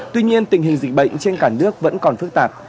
tuy nhiên tình hình dịch bệnh trên cả nước vẫn còn phức tạp